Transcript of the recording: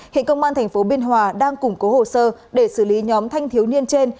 hiện công an tp biên hòa đang củng cố hồ sơ để xử lý nhóm thanh thiếu niên trên